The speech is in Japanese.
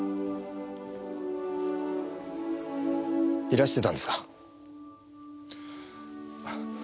いらしてたんですか？